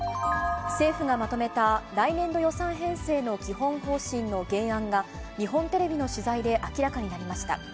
政府がまとめた来年度予算編成の基本方針の原案が、日本テレビの取材で明らかになりました。